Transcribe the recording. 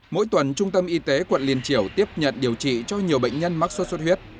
mỗi tuần trung tâm y tế quận liên triểu tiếp nhận điều trị cho nhiều bệnh nhân mắc sốt xuất huyết